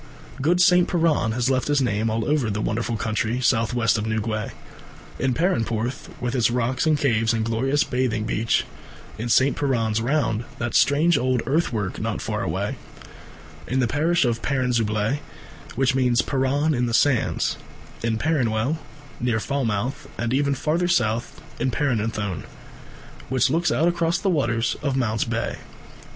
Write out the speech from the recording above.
Good St. Piran has left his name all over the wonderful country south west of Newquay. In Perranporth, with its rocks and caves and glorious bathing beach; in St. Piran's Round, that strange old earth work not far away; in the parish of Perranzabuloe, which means Perran in the Sands; in Perranwell, near Falmouth, and even further south in Perranuthnoe, which looks out across the waters of Mounts Bay.